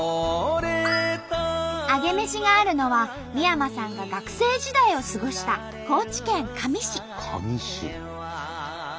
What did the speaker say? アゲメシがあるのは三山さんが学生時代を過ごした高知県香美市。